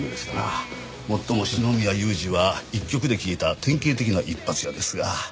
もっとも四宮裕二は１曲で消えた典型的な一発屋ですが。